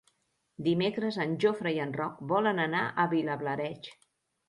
Dimecres en Jofre i en Roc volen anar a Vilablareix.